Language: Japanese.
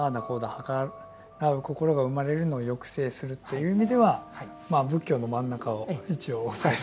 はからう心が生まれるのを抑制するという意味ではまあ仏教の真ん中を一応押さえて。